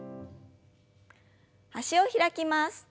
脚を開きます。